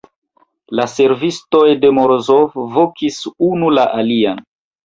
La servistoj de Morozov vokis unu la alian.